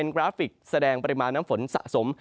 กราฟิกแสดงปริมาณน้ำฝนสะสม